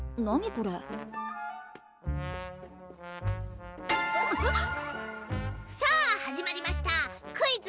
これさぁ始まりました「クイズ！